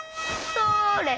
それ！